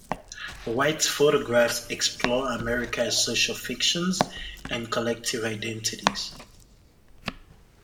White's photographs explore America's social fictions and collective identities.